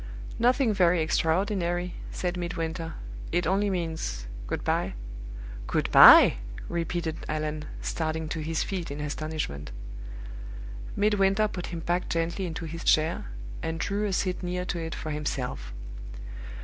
"Nothing very extraordinary," said Midwinter. "It only means good by." "Good by!" repeated Allan, starting to his feet in astonishment. Midwinter put him back gently into his chair, and drew a seat near to it for himself.